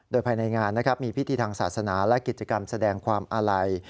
โดยภายในงานนะครับมีพิธีทางศาสนาและกิจกรรมแสดงความอาลัย